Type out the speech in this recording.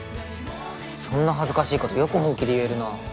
そんな恥ずかしい事よく本気で言えるな。